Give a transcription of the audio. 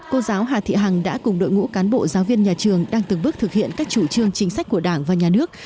cô giáo hà thị hằng đã cùng đội ngũ cán bộ giáo viên nhà trường đang từng bước thực hiện các chủ trương chính sách của đảng và nhà nước